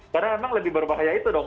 karena emang lebih berbahaya itu dong